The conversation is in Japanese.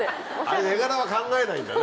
絵柄は考えないんだね。